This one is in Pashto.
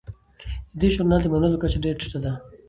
د دې ژورنال د منلو کچه ډیره ټیټه ده.